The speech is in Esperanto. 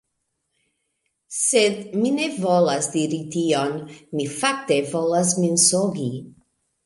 Sed... mi ne volas diri tion. Mi fakte volas mensogi.